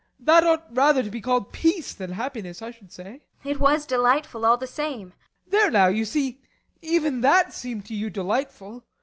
That ought rather to be called peace than happiness, I should say. ASTA. It was delightful, all the same. BORGHEIM. There now you see even that seemed to you delightful.